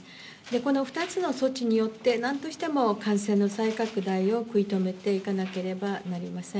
この２つの措置によって何としても感染の再拡大を食い止めていかなければなりません。